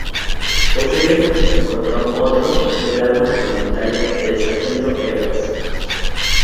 Posteriormente se encontró otro del arma reglamentaria del sargento Hervás.